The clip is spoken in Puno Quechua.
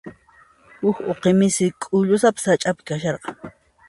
Huk uqi michi k'ullusapa sach'api kasharqan.